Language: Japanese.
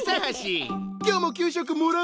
今日も給食もらうからな！